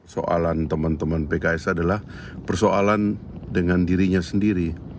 soalan teman teman pks adalah persoalan dengan dirinya sendiri